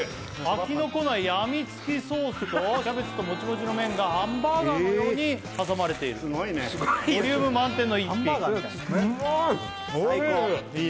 飽きのこない病みつきソースとキャベツとモチモチの麺がハンバーガーのように挟まれているすごいねボリューム満点の一品ハンバーガーみたいうまい！